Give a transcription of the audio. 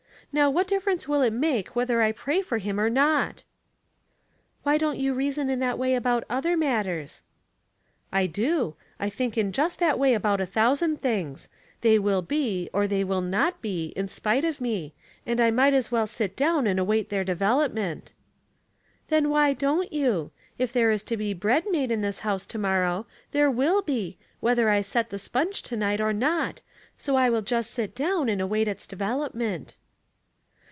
Now what difference will it make whether I pray for him or not?" *' Why don't you reason in that way about other matters ?" "I do. I think in just that way about a thousand things. They will be, or they will not be, in spite of me, and I might as well sit down and await their development." *' Then why dont you ? If there is to be bread made in this house to morrow, there will be, whether I set the sponge to night or not, so 1 will just sit down and await its development."